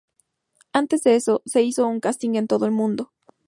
Antes de eso, se hizo un casting en todo el mundo.